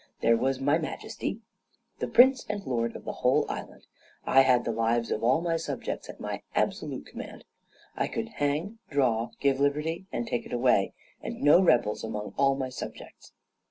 There was my majesty, the prince and lord of the whole island; I had the lives of all my subjects at my absolute command; I could hang, draw, give liberty, and take it away, and no rebels among all my subjects.